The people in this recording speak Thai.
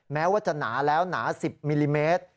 แม้ว่าจะหนาแล้วหนา๑๐มิลลิเมตร